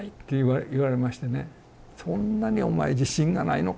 「そんなにお前自信がないのか？」